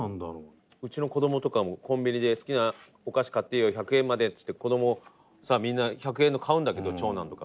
トシ：うちの子供とかもコンビニで好きなお菓子買っていいよ１００円までっつって子供さ、みんな、１００円の買うんだけど、長男とか。